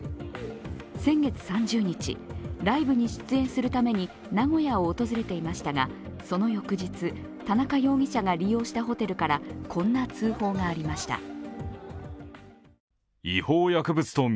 先月３０日、ライブに出演するために名古屋を訪れていましたがその翌日、田中容疑者が利用したホテルからこんな通報がありました。